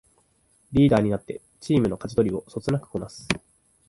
リーダーになってチームのかじ取りをそつなくこなす